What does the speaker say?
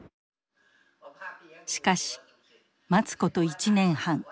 しかし待つこと１年半。